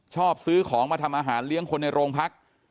ชอบซื้อของมาทำอาหารเลี้ยงคนในโรงพัก